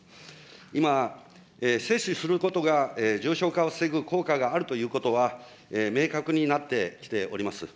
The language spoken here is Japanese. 今、接種することが重症化を防ぐ効果があるということは明確になってきております。